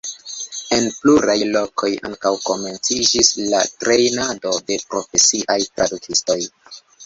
En pluraj lokoj ankaŭ komenciĝis la trejnado de profesiaj tradukistoj.